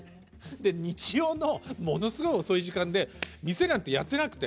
日曜のものすごい遅い時間で店なんてやってなくて。